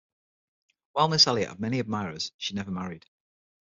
While Miss Elliot had many admirers, she never married.